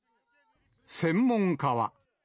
専門家は。